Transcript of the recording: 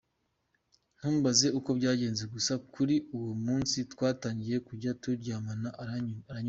Ntumbaze uko byagenze gusa kuri uwo munsi twatangiye kujya turyamana aranyurwa.